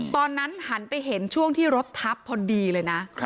ตอนนั้นหันไปเห็นช่วงที่รถทับพอดีเลยนะ